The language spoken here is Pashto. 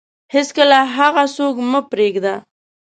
هیڅکله هغه څوک مه پرېږده